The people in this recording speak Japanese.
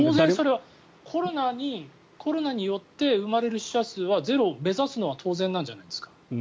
コロナによって生まれる死者数はゼロを目指すのは当然なんじゃないですか。